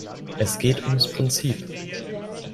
Es geht ums Prinzip.